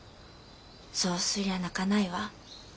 そうすりゃあ泣かないわ』。